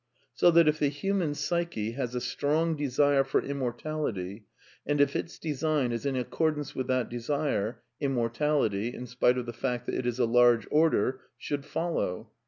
So that, if the human psyche has a strong desire for immor tality, and if its design is in accordance with that desire, immortality, in spite of the fact that it is a large order, should follow.